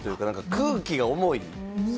空気が重い。